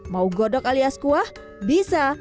mau godok alias kuah bisa